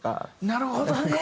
なるほどね！